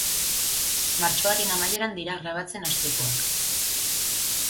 Martxoaren amaieran dira grabatzen hastekoak.